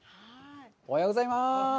おはようございます。